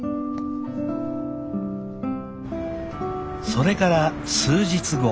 それから数日後。